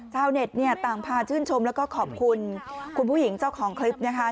ชาวเน็ตเนี่ยต่างพาชื่นชมแล้วก็ขอบคุณคุณผู้หญิงเจ้าของคลิปนะคะ